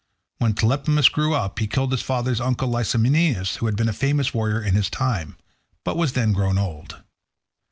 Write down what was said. When Tlepolemus grew up, he killed his father's uncle Licymnius, who had been a famous warrior in his time, but was then grown old.